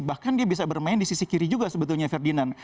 bahkan dia bisa bermain di sisi kiri juga sebetulnya ferdinand